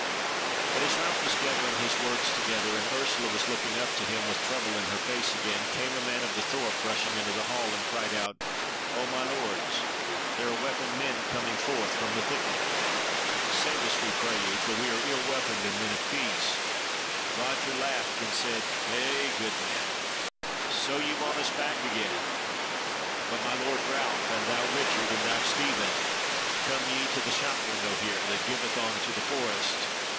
But as Ralph was gathering his words together, and Ursula was looking up to him with trouble in her face again, came a man of the thorp rushing into the hall, and cried out: "O, my lords! there are weaponed men coming forth from the thicket. Save us, we pray you, for we are ill weaponed and men of peace." Roger laughed, and said: "Eh, good man! So ye want us back again? But my Lord Ralph, and thou Richard, and thou Stephen, come ye to the shot window here, that giveth on to the forest.